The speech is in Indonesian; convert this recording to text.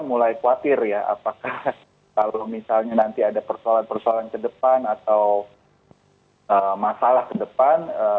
mulai khawatir ya apakah kalau misalnya nanti ada persoalan persoalan ke depan atau masalah ke depan